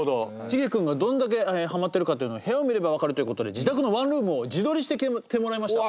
シゲ君がどんだけハマってるかっていうのを部屋を見れば分かるっていうことで自宅のワンルームを自撮りしてきてもらいました。